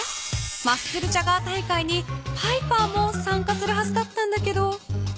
マッスル・チャガー大会にパイパーもさんかするはずだったんだけど。